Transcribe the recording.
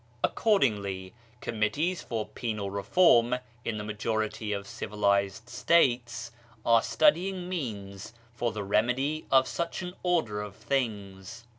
Accordingly committees for penal reform in the majority of civilised States are studying means for the remedy of such an order of things.